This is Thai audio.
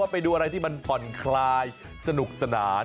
ไปดูอะไรที่มันผ่อนคลายสนุกสนาน